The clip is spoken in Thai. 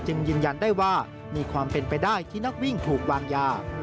ยืนยันได้ว่ามีความเป็นไปได้ที่นักวิ่งถูกวางยา